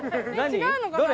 違うのかな？